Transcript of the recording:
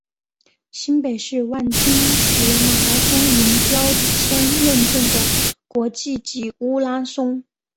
新北市万金石马拉松银标签认证的国际级马拉松。